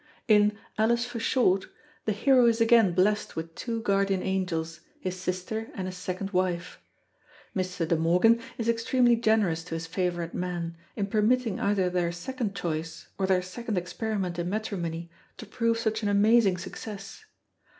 In Alice for Short, the hero is again blessed with two guardian angels, his sister and his second wife. Mr. De Morgan is extremely generous to his favourite men, in permitting either their second choice or their second experiment in matrimony to prove such an amazing success.